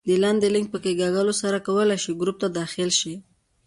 د لاندې لینک په کېکاږلو سره کولای شئ ګروپ ته داخل شئ